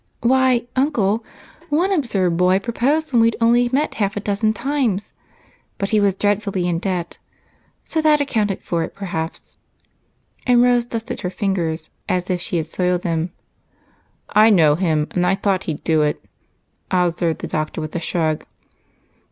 Why, Uncle, one absurd boy proposed when we'd met only half a dozen times. But he was dreadfully in debt, so that accounted for it perhaps." And Rose dusted her fingers, as if she had soiled them. "I know him, and I thought he'd do it," observed the doctor with a shrug.